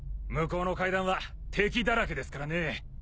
向こうの階段は敵だらけですからね。